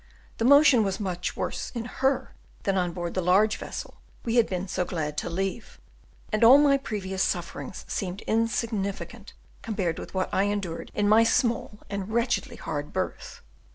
The motion was much worse in her than on board the large vessel we had been so glad to leave, and all my previous sufferings seemed insignificant compared with what I endured in my small and wretchedly hard berth.